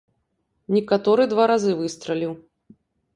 Некаторы два разы выстраліў.